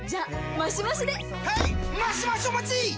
マシマシお待ちっ！！